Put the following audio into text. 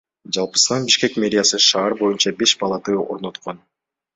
Жалпысынан Бишкек мэриясы шаар боюнча беш балаты орноткон.